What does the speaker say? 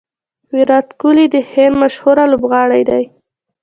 ویرات کهولي د هند مشهوره لوبغاړی دئ.